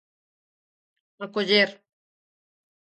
Acoller.